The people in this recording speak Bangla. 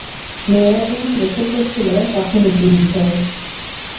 মেয়েরা যখন গোসল করছিল তখন উঁকি দিছে।